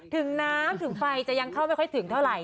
ถึงน้ำถึงไฟจะยังเข้าไม่ค่อยถึงเท่าไหร